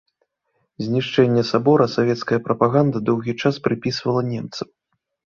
Знішчэнне сабора савецкая прапаганда доўгі час прыпісвала немцам.